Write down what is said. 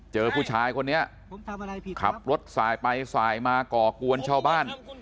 เจอผู้ชายคนนี้ขับรถสายไปสายมาก่อกวนชาวบ้าน